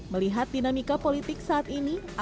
melihat dinamika politik sejarah indonesia